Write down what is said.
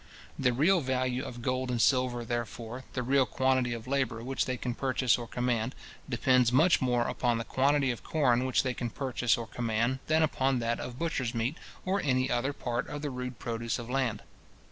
The real value of gold and silver, therefore, the real quantity of labour which they can purchase or command, depends much more upon the quantity of corn which they can purchase or command, than upon that of butcher's meat, or any other part of the rude produce of land.